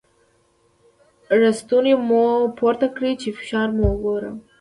ړستونی مو پورته کړی چې فشار مو وګورم.